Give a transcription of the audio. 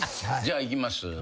じゃあいきます。